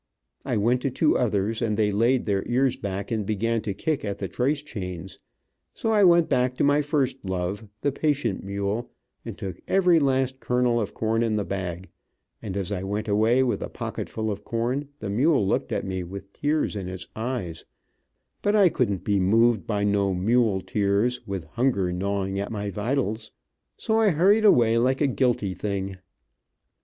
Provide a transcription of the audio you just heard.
I went to two others, and they laid their ears back and began to kick at the trace chains, so I went back to my first love, the patient mule, and took every last kernel of corn in the bag, and as I went away with a pocket full of corn the mule looked at me with tears in its eyes, but I couldn't be moved by no mule tears, with hunger gnawing at my vitals, so I hurried away like a guilty thing.